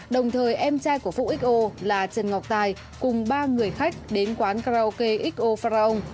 đồng thời em trai của phúc xo là trần ngọc tài cùng ba người khách đến quán karaoke xo fran